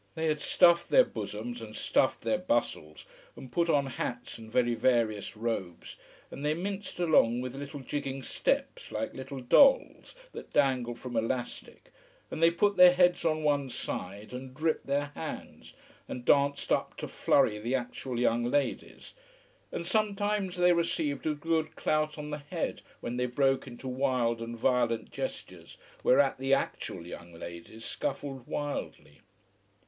They had stuffed their bosoms, and stuffed their bustles, and put on hats and very various robes, and they minced along with little jigging steps, like little dolls that dangle from elastic, and they put their heads on one side and dripped their hands, and danced up to flurry the actual young ladies, and sometimes they received a good clout on the head, when they broke into wild and violent gestures, whereat the actual young ladies scuffled wildly.